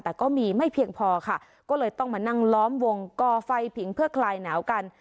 แต่ก็มีไม่เพียงพอค่ะก็เลยต้องมานั่งล้อมวงก่อไฟผิงเพื่อคลายหนาวกัน